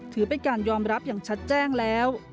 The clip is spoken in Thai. ถือเป็นการยอมรับอย่างชัดแจ้งแล้ว